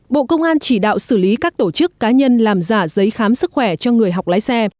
bộ công an chỉ đạo xử lý các tổ chức cá nhân làm giả giấy khám sức khỏe cho người học lái xe